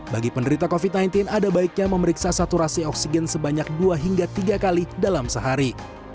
bagi penderita covid sembilan belas ada baiknya memeriksa saturasi oksigen sebanyak dua hingga tiga kali dalam sehari